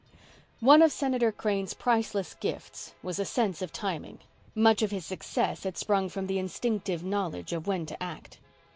One of Senator Crane's priceless gifts was a sense of timing. Much of his success had sprung from the instinctive knowledge of when to act.